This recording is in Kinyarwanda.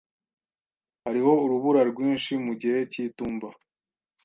Hariho urubura rwinshi mu gihe cy'itumba.